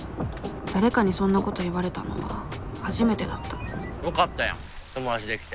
誰かにそんなこと言われたのは初めてだったよかったやん友達できて。